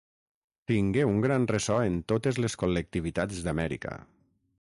Tingué un gran ressò en totes les col·lectivitats d'Amèrica.